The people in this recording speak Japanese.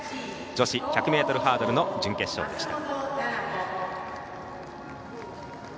女子１００ｍハードルの準決勝でした。